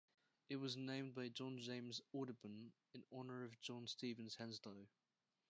It was named by John James Audubon in honor of John Stevens Henslow.